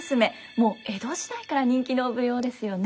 もう江戸時代から人気の舞踊ですよね。